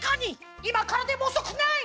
いまからでもおそくない！